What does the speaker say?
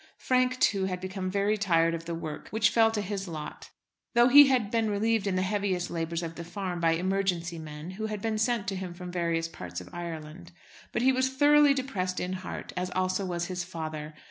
Frank, too, had become very tired of the work which fell to his lot, though he had been relieved in the heaviest labours of the farm by "Emergency" men, who had been sent to him from various parts of Ireland. But he was thoroughly depressed in heart, as also was his father.